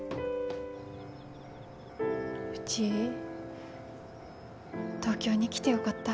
うち東京に来てよかった。